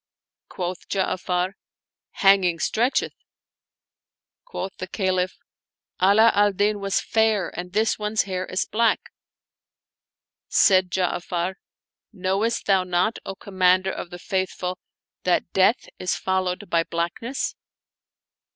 Quoth Ja'afar, " Hanging stretcheth." Quoth the Caliph, " Ala al Din was fair and this one's hair is black." Said Ja'afar, " Knowest thou not, O Commander of the Faith ful, that death is followed by blackness?